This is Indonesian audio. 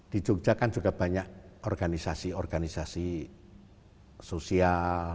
di jogja kan sudah banyak organisasi organisasi sosial